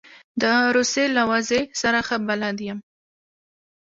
د روسیې له وضع سره ښه بلد یم.